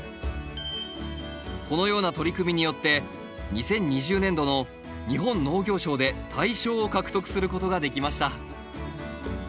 このような取り組みによって２０２０年度の日本農業賞で大賞を獲得することができました。